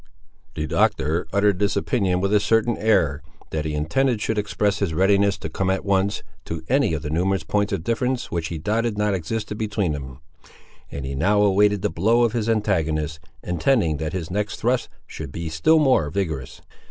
The Doctor uttered this opinion with a certain air, that he intended should express his readiness to come at once, to any of the numerous points of difference which he doubted not existed between them; and he now awaited the blow of his antagonist, intending that his next thrust should be still more vigorous.